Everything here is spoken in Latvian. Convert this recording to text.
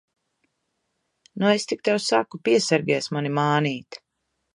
Nu, es tik tev saku, piesargies mani mānīt!